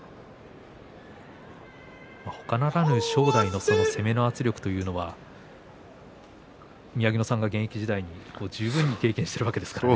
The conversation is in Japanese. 正代の攻めの圧力というのは宮城野さんが現役時代に十分経験しているわけですからね。